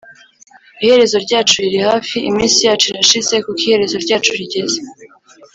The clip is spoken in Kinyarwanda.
Iherezo ryacu riri hafi, Iminsi yacu irashize, Kuko iherezo ryacu rigeze.